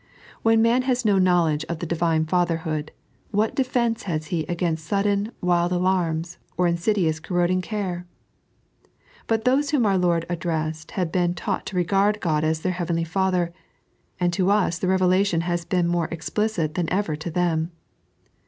When man has DO knowledge of the Divine Fatherhood, what defence has he against sudden, wild alarms, or insidious corroding carel But those whom our Lord addressed had been taught to regard Qod as their Heavenly Father; and to us the revelation has been more explicit than ever to them.